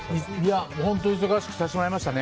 本当忙しくさせてもらいましたね。